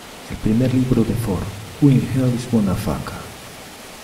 El primer libro de Ford, "Who in Hell is Wanda Fuca?